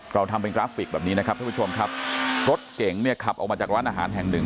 เราทำเป็นกราฟิกแบบนี้นะครับท่านผู้ชมครับรถเก๋งเนี่ยขับออกมาจากร้านอาหารแห่งหนึ่ง